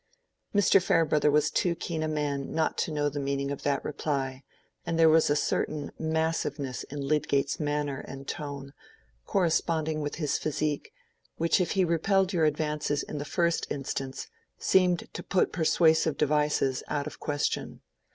Mr. Farebrother was too keen a man not to know the meaning of that reply, and there was a certain massiveness in Lydgate's manner and tone, corresponding with his physique, which if he repelled your advances in the first instance seemed to put persuasive devices out of question.